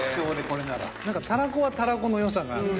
何かたらこはたらこのよさがあって。